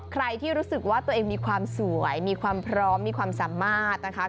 ใครที่รู้สึกว่าตัวเองมีความสวยมีความพร้อมมีความสามารถนะคะ